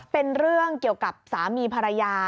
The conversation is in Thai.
เป็นเรื่องเกี่ยวกับสามีภรรยา